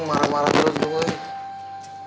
marah marah terus dong weh